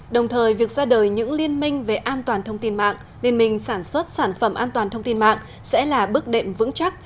đồng thời việc ra đời những liên minh về an toàn thông tin mạng liên minh sản xuất sản phẩm an toàn thông tin mạng sẽ là bước đệm vững chắc